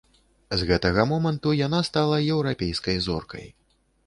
З гэтага моманту яна стала еўрапейскай зоркай.